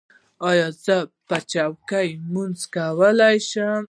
ایا زه په چوکۍ لمونځ کولی شم؟